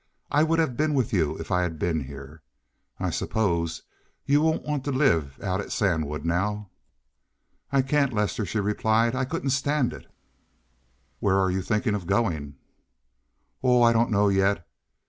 I would have been with you if I had been here. I suppose you won't want to live out at Sandwood now?" "I can't, Lester," she replied. "I couldn't stand it." "Where are you thinking of going?" "Oh, I don't know yet.